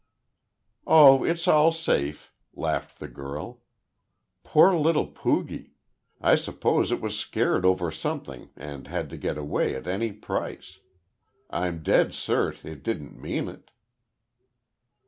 "Oh, it's all safe," laughed the girl. "Poor little poogie! I suppose it was scared over something and had to get away at any price. I'm dead cert, it didn't mean it."